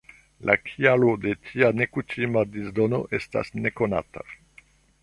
La kialo de tia nekutima disdono estas nekonata.